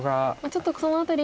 ちょっとその辺り